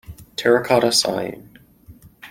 Terracotta Sighing.